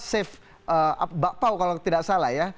save mr bakpao kalau tidak salah ya